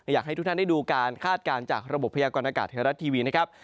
อยากให้ทุกท่านได้ดูการคาดการณ์จากระบบพยากรณากาศไทยรัฐทีวีนะครับ